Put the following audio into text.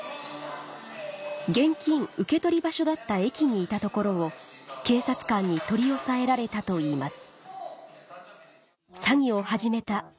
現金受け取り場所だった駅にいたところを警察官に取り押さえられたといいます